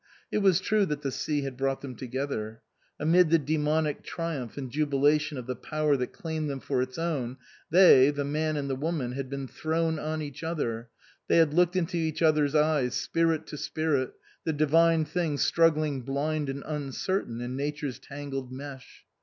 It was true that the sea had brought them together. Amid the daemonic triumph and jubilation of the power that claimed them for its own, they, the man and the woman, had been thrown on each other, they had looked into each other's eyes, spirit to spirit, the divine thing struggling blind and uncertain in nature's tangled mesh.